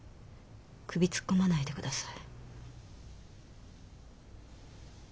首突っ込まないでください。